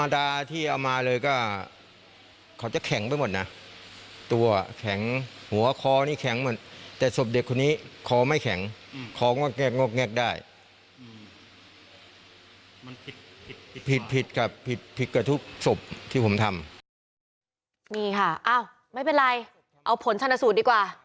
นี่ค่ะอ้าวไม่เป็นไรเอาผลชนสูตรดีกว่า